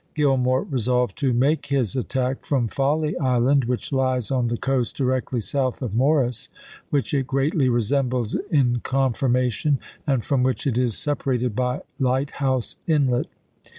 Gillmore resolved to make his attack from Folly Island, which lies on the coast directly south of Morris, which it greatly resembles in conformation, and from which it is separated by Light House Inlet.